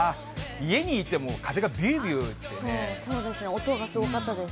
家にいても風がびゅーびゅー音がすごかったです。